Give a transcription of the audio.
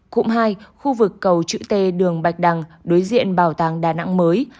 cụm hai khu vực cầu chữ t đường bạch đằng đối diện bảo tàng đà nẵng mới